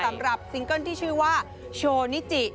สำหรับซิงเกิลที่ชื่อว่าโชว์นิจิ